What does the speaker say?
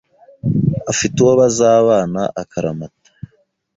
afite uwo bazabana akaramata .